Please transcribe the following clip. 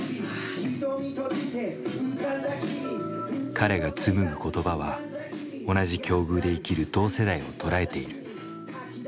彼が紡ぐ言葉は同じ境遇で生きる同世代を捉えている。